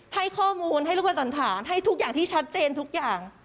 ให้ข้อมูลให้ลูกประสันฐานให้ทุกอย่างที่ชัดเจนทุกอย่าง